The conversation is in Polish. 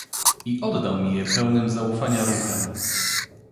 "I oddał mi je pełnym zaufania ruchem."